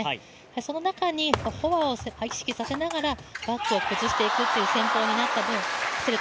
その中にフォアを意識させながらバックを崩していくという戦法になったと。